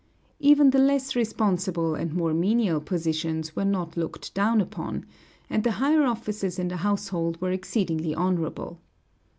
Even the less responsible and more menial positions were not looked down upon, and the higher offices in the household were exceedingly honorable.